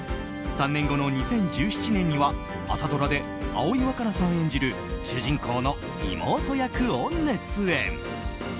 ３年後の２０１７年には朝ドラで葵わかなさん演じる主人公の妹役を熱演。